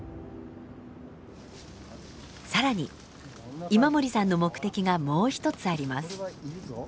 更に今森さんの目的がもう一つあります。